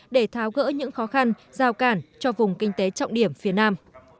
để tháo gỡ những khó khăn giao cản cho vùng kinh tế trọng điểm phía nam